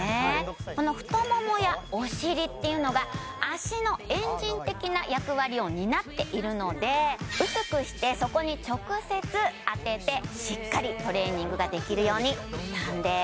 この太ももやお尻っていうのが的な役割を担っているので薄くしてそこに直接当ててしっかりトレーニングができるようにしたんです